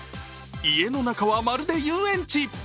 家の中はまるで遊園地。